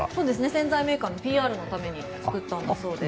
洗剤メーカーのＰＲのために作ったんだそうです。